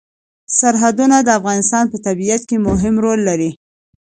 سرحدونه د افغانستان په طبیعت کې مهم رول لري.